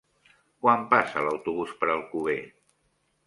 Quan passa l'autobús per Alcover?